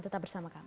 tetap bersama kami